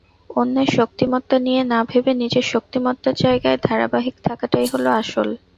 অন্যের শক্তিমত্তা নিয়ে না ভেবে নিজের শক্তিমত্তার জায়গায় ধারাবাহিক থাকাটাই হলো আসল।